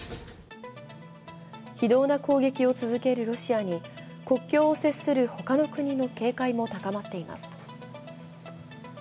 非道な攻撃を続けるロシアに国境を接する他の国の警戒も高まっています。